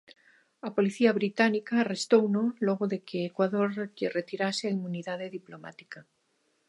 A policía británica arrestouno logo de que Ecuador lle retirase a inmunidade diplomática.